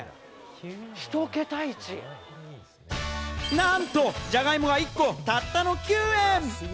なんと、じゃがいもが１個たったの９円。